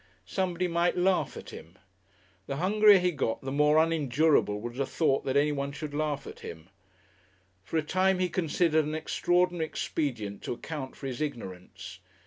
Somebody might laugh at him! The hungrier he got the more unendurable was the thought that anyone should laugh at him. For a time he considered an extraordinary expedient to account for his ignorance.